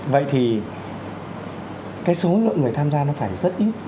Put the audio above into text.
vậy thì cái số lượng người tham gia nó phải rất ít